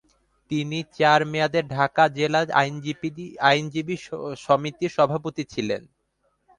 তিনি চার মেয়াদে ঢাকা জেলা আইনজীবী সমিতির সভাপতি ছিলেন।